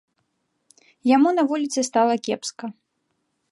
Яму на вуліцы стала кепска.